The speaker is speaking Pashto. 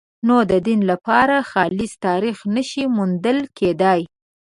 نو د دین لپاره خالص تاریخ نه شي موندل کېدای.